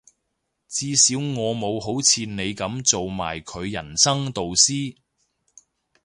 至少我冇好似你噉做埋佢人生導師